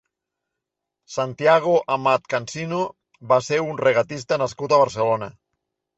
Santiago Amat Cansino va ser un regatista nascut a Barcelona.